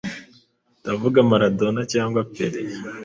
Ndavuga Maradona cyangwa Pele